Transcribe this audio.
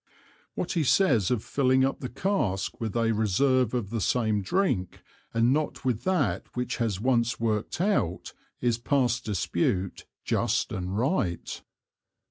What he says of filling up the Cask with a reserve of the same Drink, and not with that which has once worked out, is past dispute just and right.